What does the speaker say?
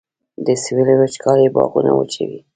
د سویل وچکالي باغونه وچوي